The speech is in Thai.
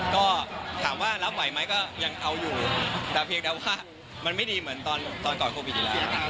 ก็ถามว่ารับไหวไหมก็ยังเอาอยู่แต่เพียงแต่ว่ามันไม่ดีเหมือนตอนก่อนโควิดอยู่แล้ว